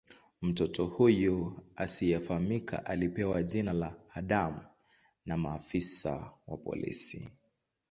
Mtoto huyu asiyefahamika alipewa jina la "Adam" na maafisa wa polisi.